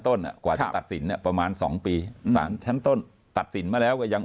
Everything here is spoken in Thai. ต้นกว่าจะตัดสินประมาณ๒ปีสารชั้นต้นตัดสินมาแล้วก็ยัง